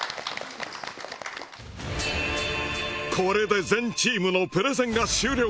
これで全チームのプレゼンが終了。